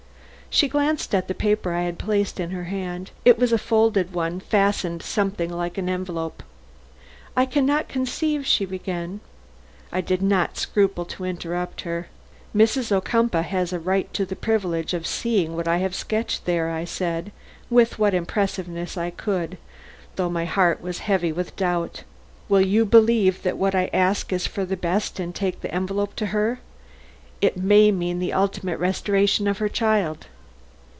She glanced at the paper I had placed in her hand. It was a folded one, fastened something like an envelope. "I can not conceive, " she began. I did not scruple to interrupt her. "Mrs. Ocumpaugh has a right to the privilege of seeing what I have sketched there," I said with what impressiveness I could, though my heart was heavy with doubt. "Will you believe that what I ask is for the best and take this envelope to her? It may mean the ultimate restoration of her child."